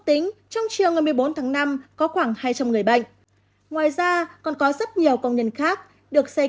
tính trong chiều ngày một mươi bốn tháng năm có khoảng hai trăm linh người bệnh ngoài ra còn có rất nhiều công nhân khác được xây